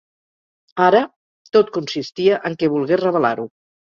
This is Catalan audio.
Ara… tot consistia en què volgués revelar-ho.